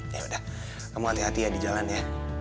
yaudah kamu hati hati ya di jalan ya